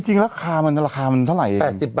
จริงราคามันเอาไง